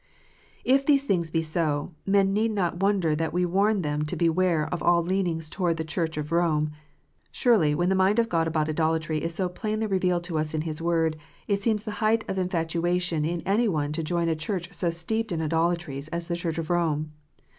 If these things be so, men need not wonder that we warn them to beware of all leanings towards the Church of Rome. Surely, when the mind of God about idolatry is so plainly revealed to us in His Word, it seems the height of infatuation in any one to join a Church so steeped in idolatries as the Church of Rome.